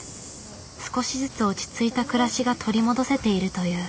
少しずつ落ち着いた暮らしが取り戻せているという。